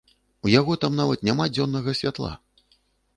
У яго там нават няма дзённага святла.